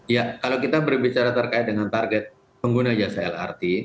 ya kalau kita berbicara terkait dengan target pengguna jasa lrt